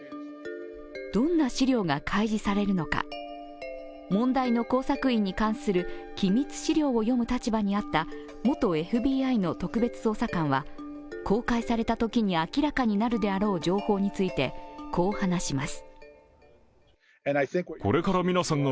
どんな資料が開示されるのか、問題の工作員に関する機密資料を読む立場にあった元ＦＢＩの特別捜査官は公開されたときに明らかになるであろう情報について、こう話します。